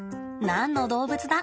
何の動物だ？